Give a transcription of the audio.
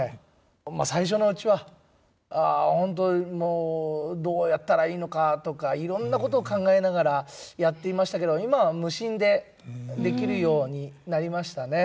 まあ最初のうちはホントもうどうやったらいいのかとかいろんなこと考えながらやっていましたけど今は無心でできるようになりましたね。